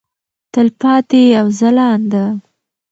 تلپاتې او ځلانده.